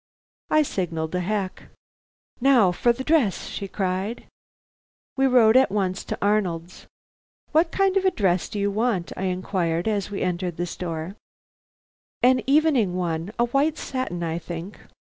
I signalled a hack. "Now for the dress!" she cried. We rode at once to Arnold's. "What kind of a dress do you want?" I inquired as we entered the store. "An evening one; a white satin, I think."